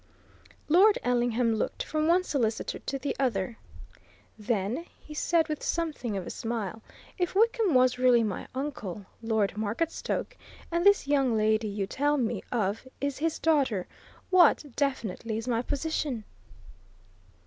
Lord Ellingham looked from one solicitor to the other. "Then," he said, with something of a smile, "if Wickham was really my uncle, Lord Marketstoke, and this young lady you tell me of is his daughter what, definitely, is my position?"